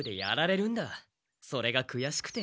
それがくやしくて。